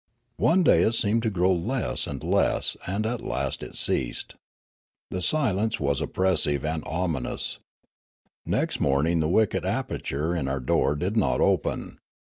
One day it seemed to grow less and less, and at Noola 395 last it ceased. The silence was oppressive and ominous. Next morning the wicket aperture in our door did not open.